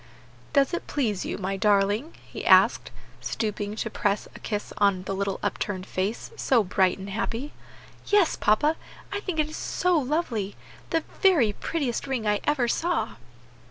"Does it please you, my darling?" he asked, stooping to press a kiss on the little upturned face, so bright and happy. "Yes, papa, I think it is lovely! the very prettiest ring I ever saw."